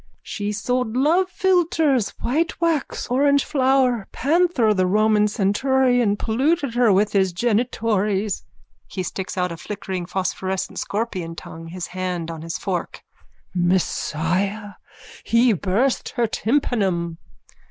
_ She sold lovephiltres, whitewax, orangeflower. Panther, the Roman centurion, polluted her with his genitories. (He sticks out a flickering phosphorescent scorpion tongue, his hand on his fork.) Messiah! He burst her tympanum.